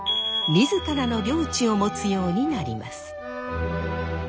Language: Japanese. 自らの領地を持つようになります。